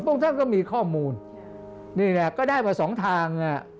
พวกท่านก็มีข้อมูลนี่แหละก็ได้มาสองทาง